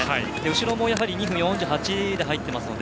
後ろも２分４８で入っていますので。